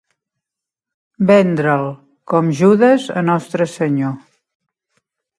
Vendre'l, com Judes a Nostre Senyor.